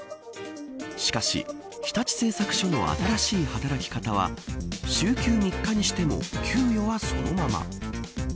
しかし日立製作所の新しい働き方は週休３日にしても給与はそのまま。